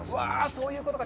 そういうことか。